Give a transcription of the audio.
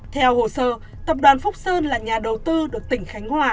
theo hồ sơ tập đoàn phúc sơn là nhà đầu tư được tỉnh khánh hòa